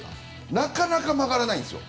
なかなか曲がらないんですよ。